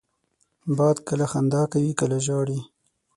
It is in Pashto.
باد کله خندا کوي، کله ژاړي